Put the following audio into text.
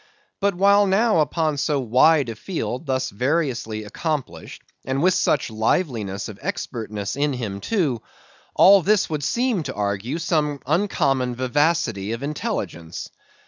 But while now upon so wide a field thus variously accomplished and with such liveliness of expertness in him, too; all this would seem to argue some uncommon vivacity of intelligence.